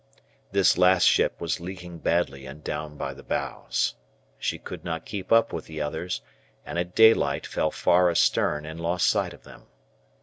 This last ship was leaking badly and down by the bows. She could not keep up with the others, and at daylight fell far astern and lost sight of them.